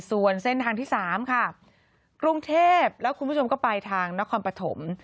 ส่วนเส้นทางที่๓ค่ะกรุงเทพแล้วคุณผู้ชมก็ไปทางนครปฐม